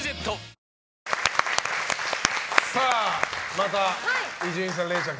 また伊集院さん、れいちゃん